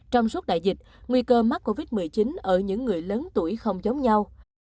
trong suốt đại dịch nguy cơ mắc covid một mươi chín ở những người lớn tuổi không giống nhau